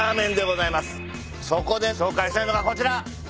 そこで紹介したいのがこちら。